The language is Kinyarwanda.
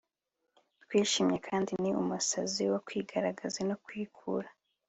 twishimye kandi ni umusazi wo kwigaragaza no kwikura